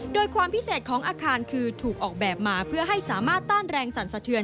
โดยความพิเศษของอาคารคือถูกออกแบบมาเพื่อให้สามารถต้านแรงสั่นสะเทือน